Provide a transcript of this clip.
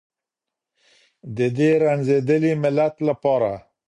د دې رنځېدلي ملت لپاره.